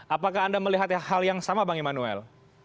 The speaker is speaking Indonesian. apakah anda melihat hal yang sama bang immanuel